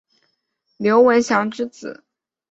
刘文翔之子。